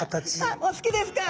あっお好きですか？